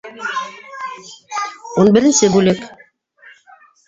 Ун беренсе бүлек